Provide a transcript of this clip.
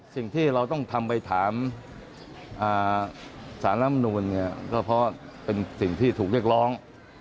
สิ่งที่เราต้องทำไปถามสารลำนูนเนี่ยก็เพราะเป็นสิ่งที่ถูกเรียกร้อง